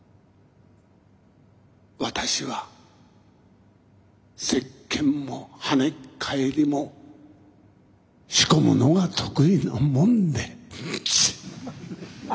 私は石鹸も跳ねっ返りも仕込むのが得意なもんで。